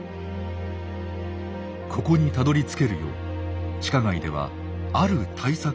ここにたどりつけるよう地下街ではある対策をしています。